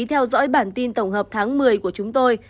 theo dõi bản tin tổng hợp tháng một mươi của chúng tôi